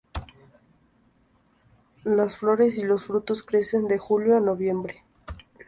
Las flores y los frutos crecen de julio a noviembre.